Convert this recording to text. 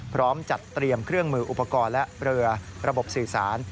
พร้อมจัดเตรียมเครื่องมืออุปกรณ์และเรือระบบสื่อสาร